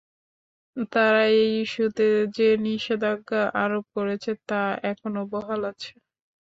তারা এই ইস্যুতে যে নিষেধাজ্ঞা আরোপ করেছে, তা এখনো বহাল আছে।